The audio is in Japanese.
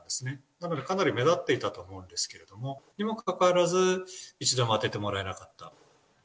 なので、かなり目立っていたと思うんですけれども、にもかかわらず、一度も当ててもらえなかった。